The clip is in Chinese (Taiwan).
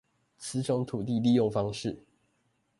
此種土地利用方式